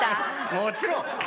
もちろん！